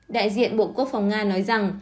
đại diện bộ quốc phòng nga nói rằng